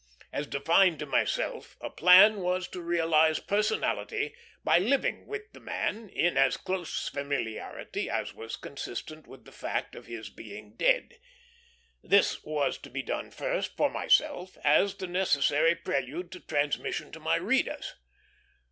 As defined to myself, my plan was to realize personality by living with the man, in as close familiarity as was consistent with the fact of his being dead. This was to be done first, for myself, as the necessary prelude to transmission to my readers.